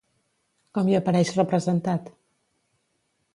Com hi apareix representat?